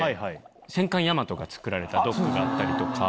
戦艦大和が造られたドックがあったりとか。